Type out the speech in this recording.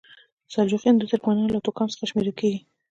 سلجوقیان د ترکمنانو له توکم څخه شمیرل کیږي.